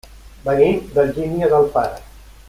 Venim d'Algímia d'Alfara.